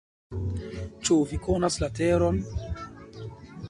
Ĉu vi konas la teron?